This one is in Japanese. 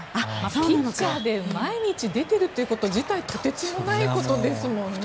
ピッチャーで毎日出ているということ自体とてつもないことですもんね。